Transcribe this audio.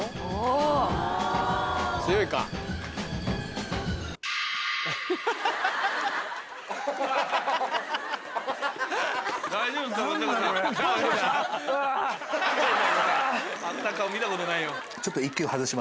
あんな顔見たことないよ。